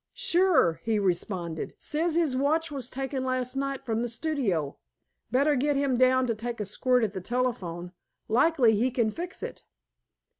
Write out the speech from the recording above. "Sure," he responded. "Says his watch was taken last night from the studio. Better get him down to take a squint at the telephone. Likely he can fix it."